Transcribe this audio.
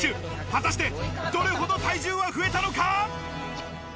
果たしてどれほど体重は増えたのか？